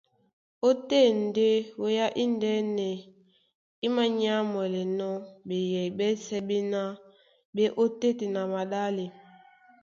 Ótên ndé wéá indɛ́nɛ í mānyámwɛlɛnɔ́ ɓeyɛy ɓɛ́sɛ̄ ɓéná ɓé e ot́téten a maɗále.